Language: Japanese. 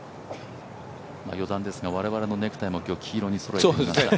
余談ですが、我々のネクタイも今日は黄色にそろえています。